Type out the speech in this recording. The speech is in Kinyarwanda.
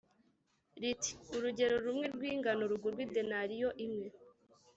riti “Urugero rumwe rw’ingano rugurwe idenariyo imwe,